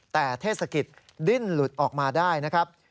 แต่เทศกิจดิ้นหลุดออกมาได้นะครับ